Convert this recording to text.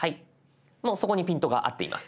もうそこにピントが合っています。